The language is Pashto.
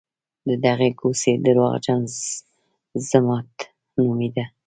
د دغې کوڅې درواغجن ضمټ نومېده.